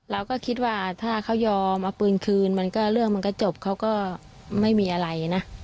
เราก็คิดว่าถ้าเขายอมเอาปืนคืนมันก็เรื่องมันก็จบเขาก็ไม่มีอะไรนะ